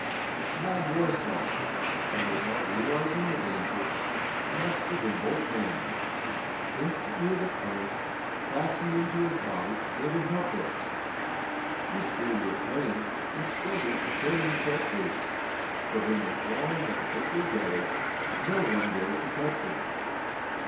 A small boy saw it, and, without realizing the danger, grasped it in both hands. Instantly the current, passing into his body, made him helpless. He screamed with pain and struggled to tear himself loose, but in the throng that quickly gathered no one dared to touch him.